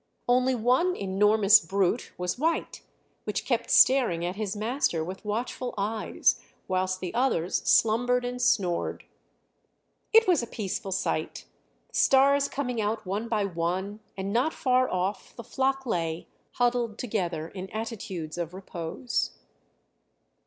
Only one enormous brute was white, which kept staring at his master with watchful eyes, whilst the others slumbered and snored. It was a peaceful sight; the stars coming out one by one, and not far off the flock lay, huddled together in attitudes of repose.